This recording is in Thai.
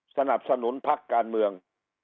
สนับสนุนพักการเมือง